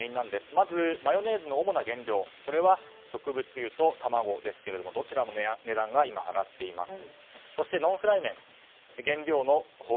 まずマヨネーズの主な原料は植物油と卵ですがどちらも値段が上がっています。